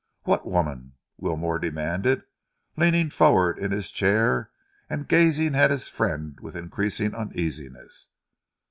"What woman?" Wilmore demanded, leaning forward in his chair and gazing at his friend with increasing uneasiness.